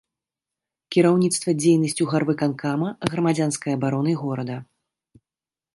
Кіраўніцтва дзейнасцю гарвыканкама, грамадзянскай абаронай горада.